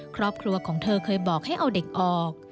ครอบครัวของเธอเคยบอกให้เอาเด็กออก